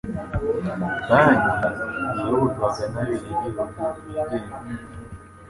Banki yayoborwaga nabenegihugu bigenga.